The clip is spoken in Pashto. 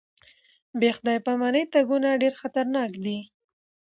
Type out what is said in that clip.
بې خدای پاماني تګونه ډېر خطرناک دي.